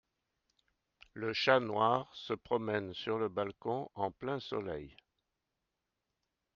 Le chat noir se promène sur le balcon en plein soleil